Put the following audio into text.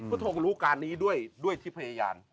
ทงรู้การนี้ด้วยที่พยายาม